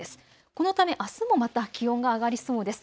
このため、あすもまた気温が上がりそうです。